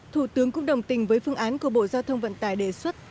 thủ tướng cũng đồng tình với phương án của bộ giao thông vận tải đề xuất